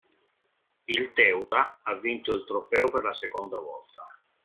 Il Teuta ha vinto il trofeo per la seconda volta.